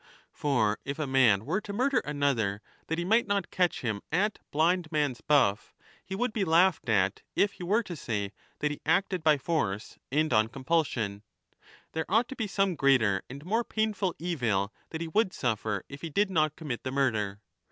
For if a man were to murder another that he might 15 not catch him at blind man's buff he would be laughed at if he were to say that he acted by force, and on compulsion ; there ought to be some greater and more painful evil that he would suffer if he did not commit the murder.